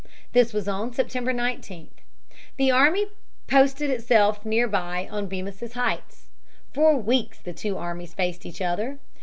This was on September 19. The American army posted itself near by on Bemis' Heights. For weeks the two armies faced each other.